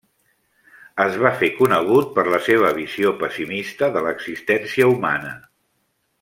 Es va fer conegut per la seva visió pessimista de l'existència humana.